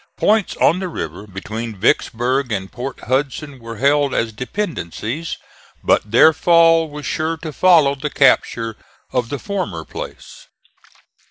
Points on the river between Vicksburg and Port Hudson were held as dependencies; but their fall was sure to follow the capture of the former place.